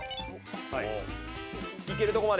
いけるとこまで。